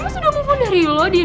dia mas udah mau phone dari lo din